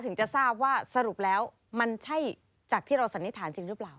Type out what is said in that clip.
ถึงจะทราบว่าสรุปแล้วมันใช่จากที่เราสันนิษฐานจริงหรือเปล่า